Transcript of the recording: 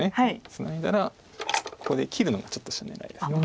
ツナいだらここで切るのがちょっとした狙いです。